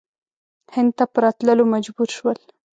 هند ته په راتللو مجبور شول.